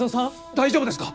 大丈夫ですか？